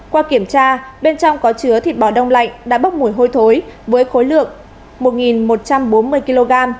qua kiểm tra bên trong có chứa thịt bò đông lạnh đã bốc mùi hôi thối với khối lượng một một trăm bốn mươi kg